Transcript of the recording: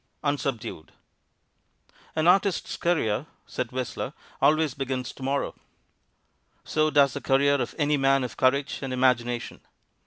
UNSUBDUED "An artist's career," said Whistler, "always begins to morrow." So does the career of any man of courage and imagination.